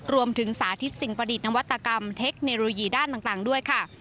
สาธิตสิ่งประดิษฐ์นวัตกรรมเทคโนโลยีด้านต่างด้วยค่ะ